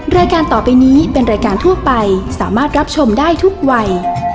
รายการต่อไปนี้เป็นรายการทั่วไปสามารถรับชมได้ทุกวัย